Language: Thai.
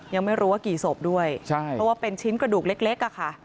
ยังไม่รู้ว่ากี่ศพด้วยใช่เพราะว่าเป็นชิ้นกระดูกเล็กอะค่ะ